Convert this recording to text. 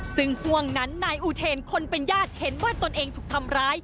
ซึ่งห่วงนั้นนายอูเทนคนเป็นญาติเห็นว่าตนเองถูกทำร้าย